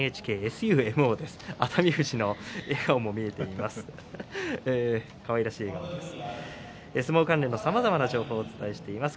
熱海富士の笑顔も見えています。